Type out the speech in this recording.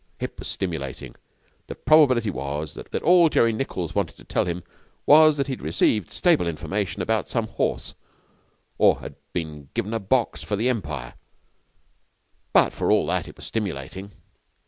It was stimulating. The probability was that all Jerry Nichols wanted to tell him was that he had received stable information about some horse or had been given a box for the Empire, but for all that it was stimulating.